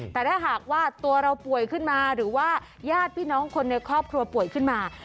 แต่ถ้าหากว่าตัวเราป่วยขึ้นมาหรือว่าญาติพี่น้องคนในครอบครัวป่วยขึ้นมา